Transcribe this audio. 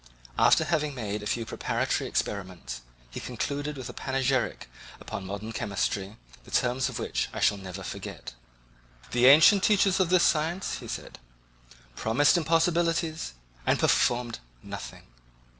After having made a few preparatory experiments, he concluded with a panegyric upon modern chemistry, the terms of which I shall never forget: "The ancient teachers of this science," said he, "promised impossibilities and performed nothing.